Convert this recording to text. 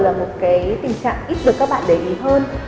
là một cái tình trạng ít được các bạn để ý hơn